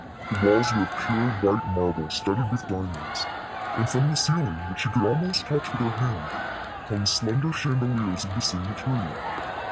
The walls were of pure white marble, studded with diamonds, and from the ceiling, which she could almost touch with her hand, hung slender chandeliers of the same material.